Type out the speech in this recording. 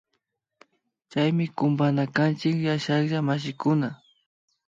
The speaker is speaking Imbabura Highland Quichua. Chaymi kumpana kanchik yashalla mashikuna